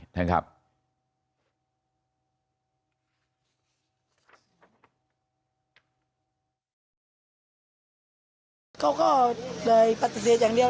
เขาก็เลยปฏิเสธอย่างเดียว